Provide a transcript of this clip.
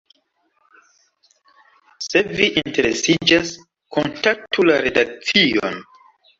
Se vi interesiĝas, kontaktu la redakcion!